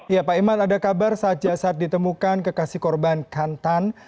ya pak iman ada kabar saat jasad ditemukan kekasih korban kantan